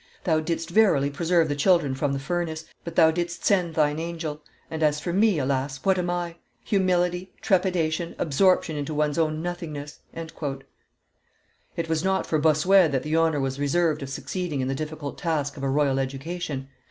Thou didst verily preserve the children from the furnace, but Thou didst send Thine angel; and, as for me, alas! what am I? Humility, trepidation, absorption into one's own nothingness!" It was not for Bossuet that the honor was reserved of succeeding in the difficult task of a royal education.